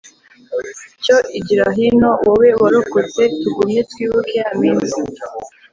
Cyo igira hino wowe warokotse Tugumye twibuke ya minsi